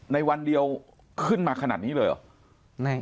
ในวันเดียวขึ้นมาขนาดนี้เลยเหรอ